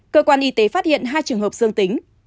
cơ quan y tế phát hiện hai trường hợp dương tính